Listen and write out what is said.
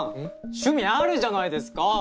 趣味あるじゃないですか。